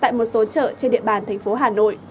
tại một số chợ trên địa bàn thành phố hà nội